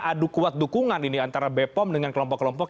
adu kuat dukungan ini antara bepom dengan kelompok kelompok